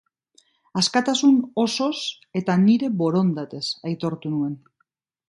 Askatasun osoz eta nire borondatez aitortu nuen.